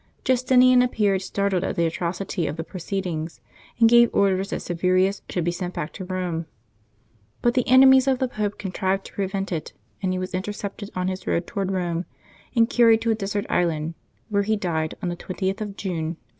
Justinian appeared startled at the atrocity of the proceedings, and gave orders that Silverius should be sent back to Eome, but the enemies of the Pope contrived to prevent it, and he was intercepted on his road toward Rome and carried to a desert island, where he died on the 20th of June, 538.